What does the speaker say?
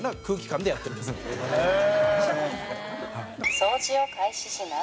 「掃除を開始します」